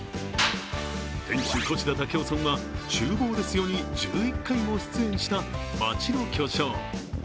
店主・越田健夫さんは「チューボーですよ！」に１１回も出演した、街の巨匠。